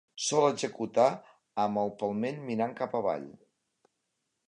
Sol executar amb el palmell mirant cap avall.